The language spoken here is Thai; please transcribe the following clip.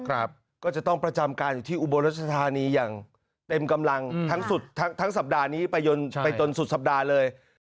ก็จะต้องประจำการอยู่ที่อุบลรัชธานีอย่างเต็มกำลังทั้งสุดทั้งสัปดาห์นี้ไปจนสุดสัปดาห์เลย